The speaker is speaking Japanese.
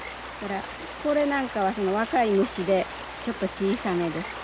これなんかは若い虫でちょっと小さめです。